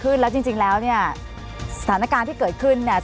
สถานการณ์ที่เกิดขึ้นและจริงแล้วสถานการณ์ที่เกิดขึ้น